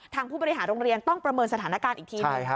ผู้บริหารโรงเรียนต้องประเมินสถานการณ์อีกทีหนึ่ง